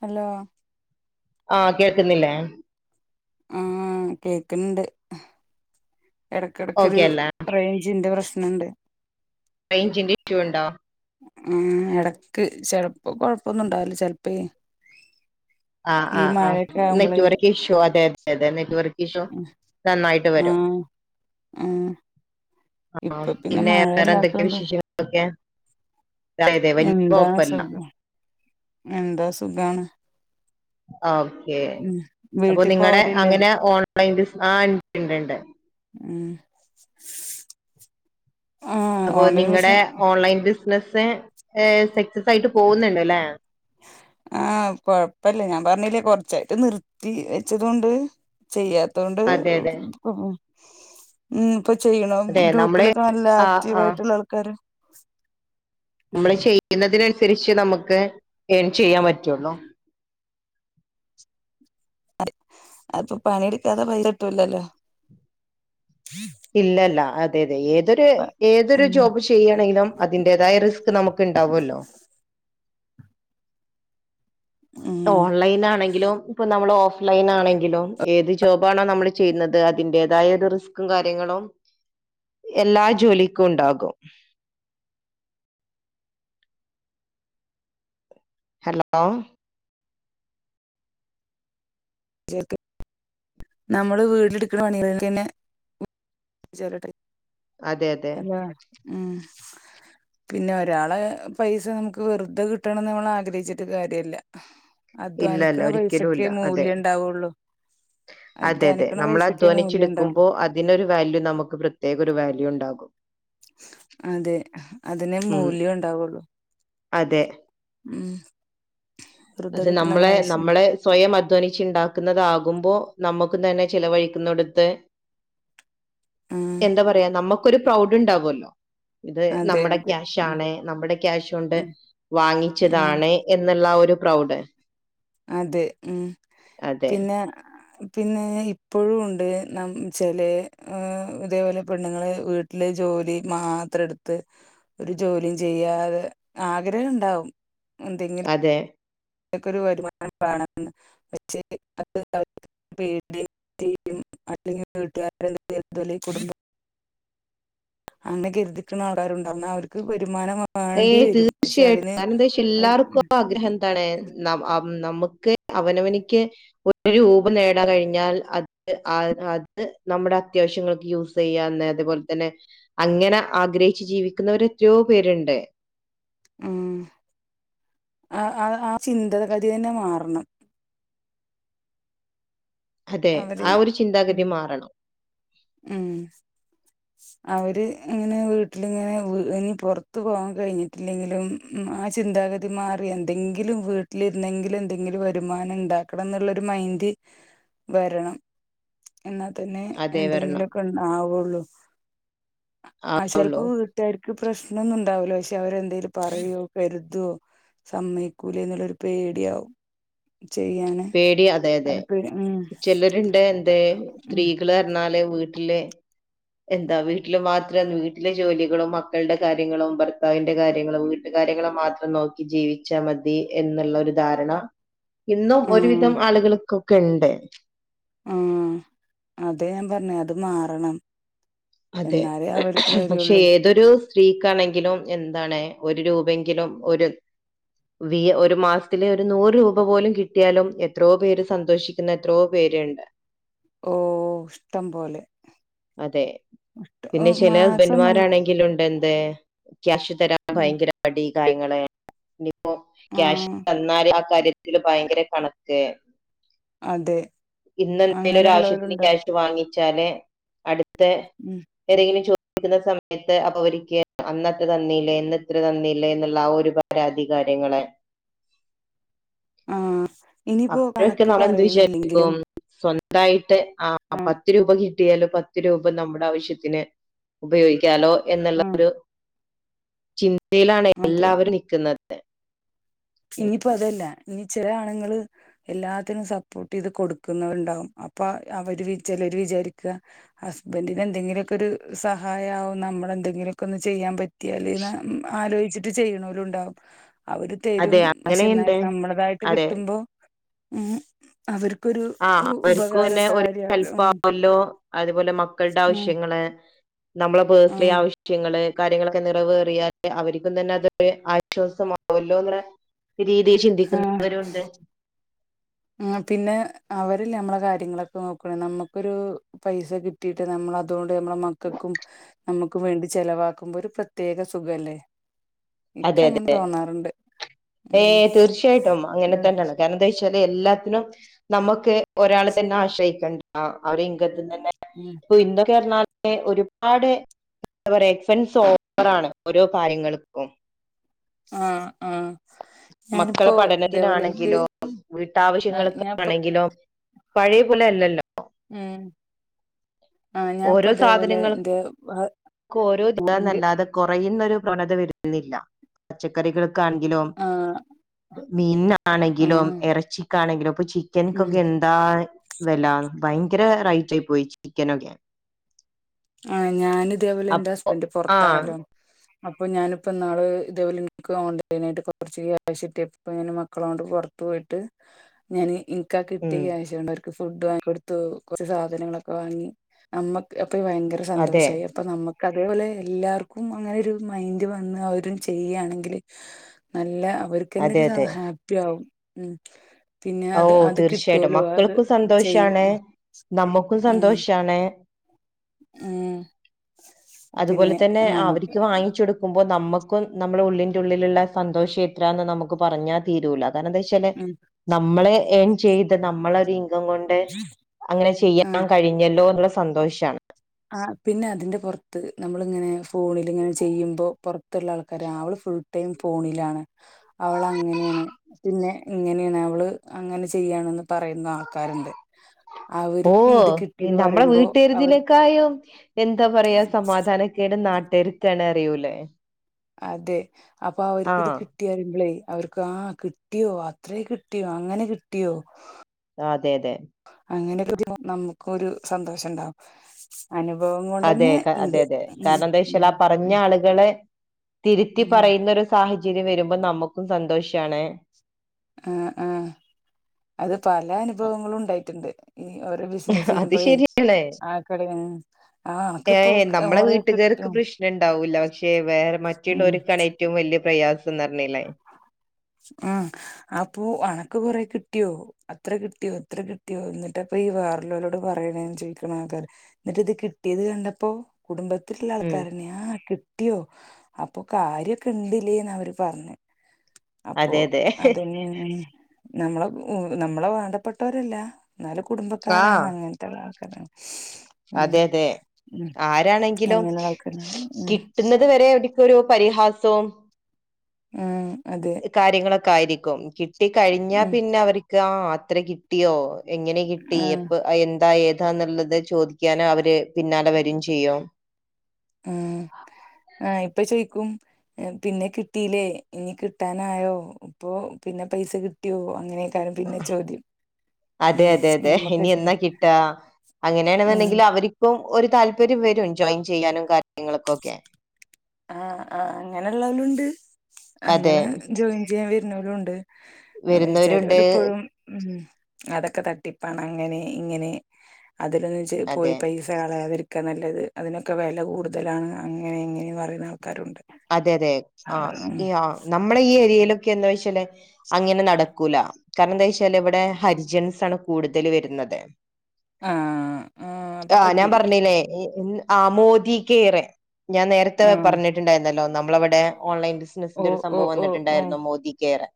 Hello ആ കേൾക്കുന്നില്ലേ ആ കേക്ക്ണണ്ട് ഇടക്കിടക്കൊ ഓക്കെ ഒരു അല്ല റേഞ്ചിന്റെ പ്രശ്നം ണ്ട് റേഞ്ചിന്റെ ഇഷ്യൂ ഉണ്ടോ ഉ ഇടക്ക് ചെലപ്പോ കൊഴപ്പൊന്നും ഇണ്ടാവില്ല ചെലപ്പോ ആഹ് ആഹ് ആഹ് നെറ്റ്‌വർക്ക് ഇഷ്യൂ അതെത് അതെ നെറ്റ്‌വർ ഇഷ്യൂ നന്നായിട്ട് ആ വരും. ആ ആഹ് ഇപ്പൊ പിന്നെ വേറെ എന്തൊക്കെ മഴയില്ലാത്തോണ്ട് വിശേഷങ്ങള് ഒക്കെ അതെ തെ വല്യ എന്താണ് കൊഴപ്പല്ല സുഖം എന്താ സുഖാണ് ഓക്കെ ഉം അപ്പൊ വീട്ടി നിങ്ങടെ പോവലില്ലേ അങ്ങനെ ഓൺ [unintelligible] ആഹ് ഇണ്ട് ഇണ്ട് ഉം ആ അപ്പൊ ഓൺലൈൻ നിങ്ങെടെ ബിസിന ഓൺലൈൻ ബിസ്നെസ് സ് ഏഹ് സെക്സെസ്സ് ആയിട്ട് പോവ്ന്ന് ഇണ്ട്ലെ ആഹ് കൊഴപ്പെല്ല ഞാൻ പർണിലെ കൊർച്ചായിട്ട് നിർത്തി വെച്ചതൊണ്ട് ചെയ്യാ ത്തോണ്ട് അതെ അതെ [unintelligible] ഉം ഇപ്പൊ ചെയ്യെണം അതെ നമ്മള് ഗ്രൂപ്പിലൊക്കെ നല്ല ആഹ് ആക്റ്റീവ് ആയിട്ട്ള്ള ആൾക്കാര് നമ്മെൾ ചെയ്യ്ന്നതിന്‌ അന്സെരിച്ച് നമുക്ക് ഏൺ ചെയ്യാൻ പറ്റൊള്ളു അതെ അയ് ഇപ്പം പണി ഇട്ക്കാതെ പൈസ കിട്ടൂലല്ലോ ഇല്ല ഇല്ല അ തെ അതെ ഏ തൊര് ഏതൊര് ഉം ജോബ് ചെയ്യാണെങ്കിലും അതിന്റെതായ റിസ്ക് നമുക്ക് ഇണ്ടാകോല്ലോ ഉം ട്ടോ ഓൺലൈൻ ആണെങ്കിലും ഇപ്പോ നമ്മെൾ ഓ ഓഫ് ലൈൻ ആണെങ്കിലും ഏത് ജോബാ ഹലോ ച്ചെക്ക് നമ്മെൾ വീട്ട് ഇട്ക്ക്ണ പണികെൾക്കെന്നെ [unintelligible] അതെ അതെ അതാ [unintelligible] പിന്നെ ഒരാള് പൈസ നമുക്ക് വെറുതെ കിട്ടണം എന്ന് നമ്മള് ആഗ്രഹിച്ചിട്ട് കാര്യല്ല അധ്വാനിക്കണ ഇല്ലല്ല ഒരിക്കലും പൈസക്കേ ഇല്ല അതെ മൂല്യം ഉണ്ടാവുള്ളു അതെ അതെ അധ്വാനിക്കണ നമ്മള് പൈസക്കേ മൂല്യം ഉണ്ടാവുള്ളു അധ്വാനിച്ചെടുക്കുമ്പോ അതിനൊരു വാല്യൂ നമുക്ക് പ്രത്യേക ഒരു വാല്യൂ ഉണ്ടാകും അതെ അതിനെ ഉം മൂല്യം ഉണ്ടാവുള്ളൂ അതെ ഉം വെറുതെ അത് കിട്ടണ നമ്മളെ കാശ് നമ്മളെ സ്വയം അധ്വാനിച്ചു ഉണ്ടാക്കുന്നതാകുമ്പോ- നമ്മുക്ക് തന്നെ ചിലവഴിക്കുന്നടുത്ത്- ആഹ് എന്താ പറയാ നമ്മു- ഒരു പ്രൗഡ് ഉണ്ടാവുമല്ലോ ഇത് അതെ നമ്മുടെ അതെ ക്യാഷ് ഉം ആണ് നമ്മുടെ ക്യാഷ് കൊണ്ട് ഉം ഉം വാങ്ങിച്ചതാണ് എന്നുള്ള ഒരു- പ്രൗഡ് അതെ ഉം അതെ പിന്നെ പിന്നെ ഇപ്പോഴും ഉണ്ട് നം ചില ഇതേപോലെ പെണ്ണുങ്ങളെ വീട്ടില് ജോലി മാത്രം എടുത്ത് ഒരു ജോലിയും ചെയ്യാതെ ആഗ്രഹം ഉണ്ടാവും അതെ ഇതൊക്ക ഒരു വരുമാനം കാണാണ് [unintelligible] പക്ഷേ അല്ലെങ്കിൽ വീട്ടുകാരോല കുടുംബ അങ്ങനെ കരുതിക്ക്ണെ ആൾക്കാരുംണ്ടാവും ന്ന അവർക്ക് ഒര് ഏ തീർച്ചയായിട്ടും കാരണം എന്താ വച്ച അവര് എല്ലാർക്കും ആഗ്രഹം എന്താണ് നമ്മുക്ക് ക്ക് അവനവനിക്ക് ഒരു രൂപ നേടാൻ കഴിഞ്ഞാൽ അത് അത് നമ്മുടെ അത്യാവശ്യങ്ങൾക്ക് യൂസ് ചെയ്യാന്ന് അത്പോലെ തന്നെ അങ്ങനെ ആഗ്രഹിച്ച് ജീവിക്കുന്നവർ എത്രയോ പേരുണ്ട്. ഉം ആ ആ ചിന്തഗതി തന്നെ മാറണം. അതെ അവര് ആ ഒരു ചിന്താഗതി ഉം മാറണം ഉം അവര് ഇങ്ങനെ വീട്ടിലിങ്ങനെ ഇനി പുറത്ത് പോകാൻ കഴിഞ്ഞിട്ടില്ലെങ്കിലും, ആ ചിന്താഗതി മാറി എന്തെങ്കിലും വീട്ടിലിരുന്നെങ്കിലും എന്തെങ്കിലും വരുമാനം ഉണ്ടാക്കണം എന്നുള്ളൊരു മൈൻഡ് വരണം. എന്നാൽ തന്നെ അതെ വരണം എന്തെങ്കിലുമൊക്കെ ആവുള്ളൂ. ആ ചിലപ്പോ വീട്ടാർക്ക് ക്ക് പ്രശ്നൊന്നും ഉണ്ടാവൂല പക്ഷെ അവരെന്തേലും പറയോ കരുതോ സമ്മയിക്കൂലേ എന്നുള്ളൊരു പേടിയാവും. ചെയ്യാന് പേടി അതെ അതെ ഒര് പേടി ഉം ചിലരുണ്ട് എന്തേ സ്ത്രീകൾന്ന് ല് വീട്ടില് എന്താ വീട്ടില് മാത്രം വീട്ടിലെ ജോലികളും മക്കളുടെ കാര്യങ്ങളും ഭർത്താവിന്റെ കാര്യങ്ങളോ വീട്ട കാര്യങ്ങളോ മാത്രം നോക്കി ജീവിച്ചാൽ മതി, എന്നുള്ള ഒരു ധാരണ ഇ ഉം ആഹ് ഒരുവിധം ആളുകൾക്കും ഒക്കെണ്ട്. ആ അതാ ഞാൻ പറഞ്ഞേ അത് മാറണം. അതെ. എന്നാലേ അവർക്ക് പക്ഷെ കാര്യള്ളൂ ഏതൊരു, സ്ത്രീക്കാണെങ്കിലും എന്താണ് ഒരു രൂപയെങ്കിലും ഒരു വി ഒരു മാസത്തിലെ ഒരു നൂറ് രൂപ പോലും കിട്ടിയാലും എത്രോ പേര്, സന്തോഷിക്കുന്ന എത്രോ പേരുണ്ട്. ഓ ഇഷ്ടം പോലെ. അതെ പിന്നെ ഉം ചില മാസം ഹസ്ബൻഡ് നമു മാരാണെങ്കിലും ഉണ്ട്, എന്ത് ക്യാഷ് തരാൻ ഉം ഭയങ്കര മടി. കാര്യങ്ങളെ ഇനി ഇപ്പൊ ക്യാഷ് ആഹ് തന്നാല് ആ കാര്യ- തിൽ ഭയങ്കര കണക്ക്, അതെ ഇന്ന് എന്തേലും ഒരു ആവശ്യത്തിന് അങ്ങനെള്ളോരുണ്ട് ക്യാഷ് വാങ്ങി വച്ചാല് അടുത്ത ത്തെ ഉം ഏതെങ്കിലും ചോ - ദിക്കുന്ന സമയത്ത് അപ്പൊ അവരിക്ക് അന്നത്ര തന്നില്ലേ ഇന്നിന്ത്ര തന്നില്ലേ എന്നുള്ള ഒരു പരാതി കാര്യങ്ങള് ആഹ അപ്പോഴൊക്കെ നമ്മള് എന്ത് വിചാരിക്കുംപ്പോ സ്വന്ത തായിട്ട് ആ ആഹ് പത്ത് രൂപ കി കിട്ടിയാല് പത്ത് രൂപ നമ്മുടെ ആവശ്യത്തിന് ഉപയോഗിക്കാലോ എന്നുള്ള ആഹ് ഒരു ചി ന്തയിലാണ് എല്ലാവരും നിക്കുന്നത് [unintelligible] ഇനിപ്പോ അതല്ല ഇനി ചില ആണുങ്ങൾ എല്ലാത്തിനും സപ്പോർട്ട് ചെയ്ത് കൊടുക്കുന്നവരുണ്ടാവും അപ്പ അവര് ചിലര് വിചാരിക്ക ഹസ്ബൻറിന് എന്തെങ്കിലു ഒക്കൊരു ഒരു സഹായാവും നമ്മളെന്തെങ്കിലുമൊക്കെ ഒന്ന് ചെയ്യാൻ പറ്റിയാല് ന്ന് ആലോയിച്ചിട്ട് ചെയ്യണോലും ഉണ്ടാവും അവർ തരും അതെ പക്ഷെ അങ്ങനെയുണ്ട് എന്നാലും നമ്മളതായിട്ട് അതെ കിട്ടുമ്പോ ഉം അവർ ആഹ് അവർക്കുംന്നെ ഒരു ഹെല്പ്പ് ഉം ആവല്ലോ അതുപോലെ മക്കളുടെ ഉം ആവശ്യങ്ങള് നമ്മള പേർസ്ണിലീ ആഹ് ആവശ്യങ ള് കാര്യങ്ങളൊക്കെ നിറവേറിയാല് അവർക്കും തന്നെ അതൊരു ആശ്വാസമാവൊല്ലോന്ന്ള്ള രീതീ ചിന്തിക്കുന്നവരൂണ്ട് ഉം പിന്നെ അവരല്ലേ നമ്മളെ കാര്യങ്ങളൊക്കെ നോക്ക്ണ നമ്മുക്കൊരു പൈസ കിട്ടിയിട്ട് നമ്മൾ അതുകൊണ്ട് നമ്മള മക്കൾക്കും നമ്മുക്കും വേണ്ടി ചെലവാക്കുമ്പോ ഒരു പ്രത്യേക സുഖല്ലേ ഇക്ക് അതെ അങ്ങനെ അതെ തോന്നാറുണ്ട് ഏ ഉം തീർച്ചയായിട്ടും അങ്ങനെ ഒരു, തന്നാണ് കാരണംന്താ ച്ചാല് എല്ലാത്തിനും നമക്ക് ഒരാളെ തന്നെ ആശ്രയിക്കണ്ട ആഹ് അവരെ ഇങ്കത്തിന്നെ ഉം ഇന്നൊക്കെ പർഞ്ഞാ ഒരുപാട് എന്താ പറയ എക്സ്പെൻസ് ഓവറാണ് ഓരോ കാര്യങ്ങളും ക്കും ആഹ് ആഹ് മക്കളെ ഞാനിപ്പോ ഇതേപോലെ ഇൻക്ക് പഠനത്തിനാണെങ്കിലോ ആ ഞാ ഇപ്പം വീട്ടാവശ്യങ്ങൾക്കാണെങ്കിലോ പഴയ പോലെ അല്ലല്ലോ ഉം ആ ഞാൻപ്പോ ഓരോ ഇതേപോലെ സാധനങ്ങൾ എന്റെ ഭ- ക്കോരോ എന്റെ ല്ലാതെ കുറയാ ന്നൊരു പ്രവണത വരുന്നില്ല പച്ചക്കറികൾ ക്കാണെങ്കിലും ആ ആ മീൻനാണെങ്കിലും എറച്ചി ക്കാണെങ്കിലും ഇപ്പൊ ഉം ചിക്കൻക്കൊക്കെ എന്താ വെല ഭയങ്കര റൈറ്റ് ആയി പോയി ചിക്കനൊക്കെ ആ ഞാന് ഇതേപോലെ എൻ്റെ അപ്പൊ ഹസ്ബൻഡ് ആഹ് പൊറത്താണല്ലോ അപ്പം ഞാനിപ്പൊന്നാള് ഇതേപോലെ ഇൻക്ക് ഓൺലൈനായിട്ട് കുറച്ച് ക്യാഷ് കിട്ടിയപ്പം ഞാൻ മക്കളോട് പുറത്തു പോയിട്ട് ഞാന് ഇ ൻക്കാ കിട്ട്യ ഉം കാശൊണ്ട് ഓ ഫുഡ് വാങ്ങി കൊടുത്തു കൊറച്ച് സാധനങ്ങളൊക്കെ വാങ്ങി നമ്മക്ക് ഇപ്പ ഭയങ്കര അതെ സന്തോഷായി ഇപ്പ നമ്മ ക്കതേപോലെ എല്ലാർക്കും അങ്ങനെ ഒരു മൈൻഡ് വന്ന് അവരും ചെയ്യാണെങ്കിൽ നല്ല അവർക്ക് അതെ എന്നൊരു അതെ ഹാപ്പി ആാവും ഉം പിന്നെ ഓ അത് അത് തീർച്ചയായിട്ടും കിട്ടുവലോ അത് മക്കൾക്കും ചെയ്യും സന്തോഷാണ് നമ്മുക്കും ഉം സന്തോഷാണ് ഉം പിന്നെ നമുക്ക് അപ്പം നമ്മുക്കും നമ്മൾ ഉള്ളിൻ്റെ ഉള്ളിലുള്ള സന്തോഷം എത്രയാന്ന് നമുക്ക് പറഞ്ഞാൽ തീരൂല കാരണം എന്താ വെച്ചയ്ഞ്ഞാല്‌ ഉം നമ്മള് ഏൻ ചെയ്ത് നമ്മള കൊണ്ട് അങ്ങനെ ചെയ്യാൻ ആഹ് കഴിഞ്ഞല്ലോ എന്നുള്ള സന്തോഷാണ് ആ പിന്നെ അതിന്റെ പുറത്ത് നമ്മൾ ഇങ്ങനെ ഫോണിൽ ഇങ്ങനെ ചെയ്യുമ്പോ പുറത്തുള്ള ആൾക്കാര് അവള് ഫുൾ ടൈം ഫോണിലാണ് അവൾ അങ്ങനെയാണ് പിന്നെ ഇങ്ങനെയാണ് അവള് അങ്ങനെ ചെയ്യാണന്ന് പറയുന്ന ആൾക്കാരുണ്ട് ഓ അവർക്ക് ഇത് കിട്ടീന്ന് നമ്മളെ പറയുമ്പോ അവർ വീട്ടിരുതിലേക്കായോ [unintelligible] എന്താ പറയാ സമാധാനക്കേട് നാട്ട ര്ക്കാണ് അറിയൂലേ അതെ അപ്പൊ അവർക്ക് ഇത് ആഹ് കിട്ടിയ റിമ്പളേ അവർക്ക് ആ കിട്ടിയോ അത്രേ കിട്ടിയോ അങ്ങനെ കിട്ടിയോ [inaudible] ആ അതെ അതെ അങ്ങനെ [inaudible] നമുക്കും ഒരു സന്തോഷം ഉണ്ടാവും അനുഭവം അതെ കൊണ്ടന്നെ അതെ ഉണ്ട് അതെ കാരണം എന്താ വെച്ചാൽ ഉം ആ പറഞ്ഞ ഉം ആളുകളെ തിരുത്തി ഉം പറയുന്ന ഒരു സാഹ ചര്യം വരുമ്പോ നമുക്കും സന്തോഷാണ് ആഹ ആഹ അത് പല അനുഭവങ്ങളും ഉണ്ടായിട്ടുണ്ട് ഈ ഓരോ ബിസിനസ് അത് ചെയ്യുമ്പോഴേ ശരിയാണേ ആ കട ആ ഏ അനക്കിപ്പോ നമ്മളെ കൊറേ വീട്ടുകാർക്ക് കിട്ടും പ്രശ്നം ഉണ്ടാവൂല്ല പക്ഷേ വേറെ ഉം മറ്റുള്ളവർക്കാണ് ഏറ്റവും വലിയ പ്രയാസം സം ന്നർഞ്ഞിലേ ആ അപ്പൊ അണക്ക് കൊറെ കിട്ടിയോ അത്ര കിട്ടിയോ ഇത്ര കിട്ടിയോ എന്നിട്ട്പ്പ ഈ വേറള്ളോ ലോട് പറയണ ചോദിക്കണ ആൾക്കാർ എന്നിട്ട് ഇത് കിട്ടിയത് കണ്ടപ്പോ കുടുംബ ത്ത്ള്ള ഉം ആൾക്കാരന്നെ ആ കി കിട്ടിയോ അപ്പൊ കാര്യ ഒക്കെ ഇണ്ട്ല്ലേന്ന് അവര് പറഞ്ഞ് അപ്പൊ അതെ അതെ അതന്നെയ നമ്മളെ നമ്മളെ വാണ്ടപ്പെട്ടവരല്ല എന്നാല ആഹ് കുടുംബക്കാരാണ് അങ്ങനത്തെ ആൾക്കാര ഉ അതെ അതെ ഉ ആരാണെങ്കിലും അങ്ങെനെ ആൾക്കാരാണ് ഉ കിട്ടുന്നത് വരെ അവർക്കൊരു പരിഹാസവും ആഹ കാര്യങ്ങളൊക്കെ [inaudible] ക്കും കിട്ടി കഴിഞ്ഞാ ഉം പിന്നെ അവർക്ക് അത്ര കിട്ടിയോ എങ്ങനെ കിട്ടി ആഹ് അപ്പൊ എന്തായി തന്നുള്ളത് ചോദിക്കാന് അവര് പിന്നാലെ വരികയും ചെയ്യും ഉം ആ ഇപ്പൊ ചോയി ക്കും പിന്നെ കിട്ടില്ലേ ഇനി കിട്ടാനായോ ഇപ്പോ പിന്നെ പൈസ കിട്ടിയോ അങ്ങനെ അതെ അതെ അതെ ഇനി നമ്മക്ക് എന്നാ കിട്ട ഉം അങ്ങനെയാണെന്നുണ്ടെങ്കിൽ അവർക്കും ഒരു താല്പര്യം വരും ജോയിൻ ചെയ്യാനും കാര്യങ്ങൾക്കൊക്കെ ആ ആ അങ്ങനെള്ളാവരും ഉണ്ട് അതെ അങ്ങനെ ജോയിൻ ചെയ്യാൻ വര- ന്നോരുംഉണ്ട് വരുന്നവരുണ്ട് ചെലോര് ഇപ്പോഴും അതൊക്കെ തട്ടിപ്പാണ് അങ്ങനെ ഇങ്ങനെ അതിലൊന്ന് പോയി അതെ പൈസ കളയാതിരി- ഒക്കെ നല്ലത് അതിനൊക്കെ വില കൂടുതലാണ് അങ്ങനെ എങ്ങനെ പറയും അതെ അതെ ആ ആഹ് ആ നമ്മളെ ഈ ഏരിയയിലും എന്താ വെച്ചാല് അങ്ങനെ നടക്കൂല കാരണം എന്താ വെച്ചാല് ഇവിടെ ഹരിജൻസ് ആണ് കൂടുതൽ വരുന്നത് ആഹ് ആഹ് അപ്പൊ ആ ഞാൻ പറ്റൂല പറഞ്ഞില്ലേ ആ മോദി കെയറ് ഞാൻ നേരത്തെ ആഹ് പറഞ്ഞിട്ടുണ്ടായിരുന്നു ഹലോ നമ്മളിവിടെ ഓൺലൈൻ ബിസിനസ്സിന്റെ ഒരു ഓഹ് സംഭവം ഓഹ് ഓഹ് വന്നിട്ടുണ്ടായിരുന്നു ഓഹ് മോദി കെയർ കേര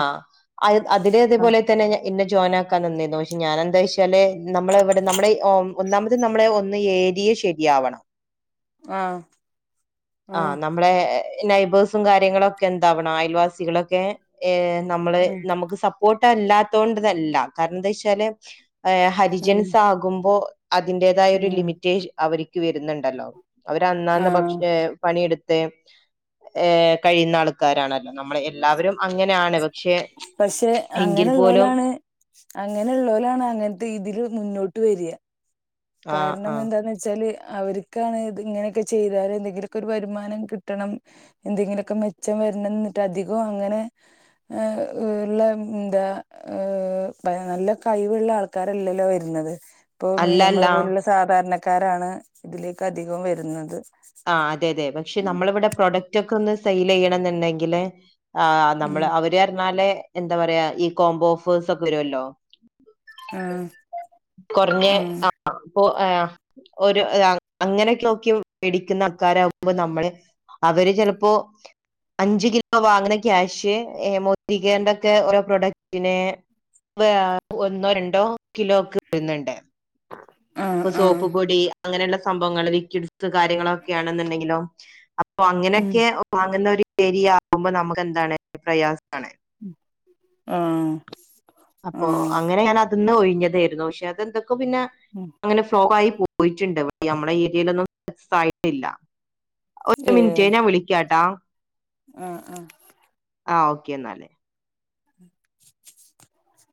ആ ആഹ് അതിലതേപോലെ തന്നെ ഇന്നെ ജോയിൻ ആക്കും ആക്കാൻ നിന്നിരുന്നു പക്ഷെ ഞാൻന്താ- ചില നമ്മള ഇവിടെ നമ്മളെ [inaudible] ഒന്നാമത് നമ്മളെ ഒന്ന് ഏരിയെ ശരിയാവണം ആഹ് ആഹ് അ ആഹ് നമ്മളെ നൈബേഴ്സും കാര്യങ്ങളൊക്കെ എന്താവണം അയൽവാസികളൊക്കെ നമ്മള് നമുക്ക് സപ്പോർട്ട് ഇഷ്‌ടം അല്ലാത്തോണ്ടതല്ല കാരണം എന്താ വെച്ചാല് ഉം ഉം ഹരിജൻസ് ആകുമ്പോ അതിന്റേതായ ഒരു ഉം ലിമിറ്റ് അവര് ക്ക് വരുന്നുണ്ടല്ലോ അവര് അന്നാന്ന് ആഹ് പക്ഷേ പണിയെടുത്ത് ത്ത് ഏ കഴിയുന്ന ആൾക്കാരണ പക്ഷെ എങ്കിൽ പോലും അങ്ങനെയുള്ളോലാണ് അങ്ങനെയുള്ളോലാണ് അങ്ങനത്തെ ഇതില് മുന്നോ ട്ട് വര്യ ആഹ് കാരണം ആഹ് എന്താന്ന് വെച്ചാല് അവര്ക്കാണ് ഇത് ഇങ്ങനെയൊക്കെ ചെയ്താലെ എന്തെങ്കിലുമൊക്കെ ഒരു വരുമാനം കിട്ടണം എന്തെങ്കിലുമൊക്കെ മെച്ചം വരണം എന്നിട്ട് അധികവും അങ്ങനെ ഉള്ള എന്താ ഏ നല്ല കഴിവുള്ള ആൾക്കാരല്ലല്ലോ വരുന്നത് ഇപ്പൊ മീ- നമ്മളെ അല്ലല്ല പോലുള്ള സാധാരണക്കാരാണ് ഇതിലേക്ക് അധികവും വരുന്നത് ആ അതെ അതെ പക്ഷെ ഉം നമ്മള് ഇവിടെ പ്രൊഡക്റ്റ് ഒക്കെ ഒന്ന് സെയ്ല് ചെയ്യണം ന്നുണ്ടെങ്കില് ആ നമ്മള് അവര് അറിഞ്ഞാലേ എന്താ പറയാ ഈ കോംബോ ഓഫേഴ്സ് ഒക്കെ വരുമല്ലോ ഉം ആഹ് കുറഞ്ഞെ ആഹ് ആ പോ ആ ഒരു അങ്ങ് അങ്ങനെയൊക്കെ നോക്കി മേടിക്കുന്ന ആക്കാരാവുമ്പോ നമ്മള് അവര് ചെലപ്പോ അഞ്ച് കിലോ വാങ്ങുന്ന ക്യാഷ് മോദികെയറിന്റൊക്കെ ഓരോ പ്രൊഡക്റ്റ്ന് ഒന്നോ രണ്ടോ കിലോ ക്ക് തരുന്നുണ്ട് ആഹ് ഇപ്പൊ ആഹ് സോപ്പ്പൊടി അങ്ങനെയുള്ള സംഭവങ്ങള് വികിഡ്ത് കാര്യങ്ങളൊക്കെ ആണെങ്കിലോ ഒ ഉം അങ്ങനെയൊക്കെ വാങ്ങുന്നോര് ശരിയാകുമ്പോ നമുക്ക് എന്താണ് പ്രയാസം ണ് ആഹ് അപ്പൊ ആഹ് അങ്ങനെയാണ് അതിന്ന് ഒഴി ഒഴിഞ്ഞതായിരുന്നു പക്ഷെ അതെന്തൊക്കെ പിന്നെ അങ്ങനെ ഫ്ലോഗ് ആയി പോയിട്ട്ണ്ട് നമ്മുടെ ഏരിയയിലൊന്നും സായിട്ടില്ല ഒരു മിനിറ്റ് ഞാൻ വിളിക്കാട്ടാ ഉം ഉം ആഹ് ഓക്കെ എന്നാല് [unintelligible]